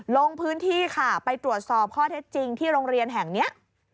ลงพื้นที่ค่ะไปตรวจสอบข้อเท็จจริงที่โรงเรียนแห่งนี้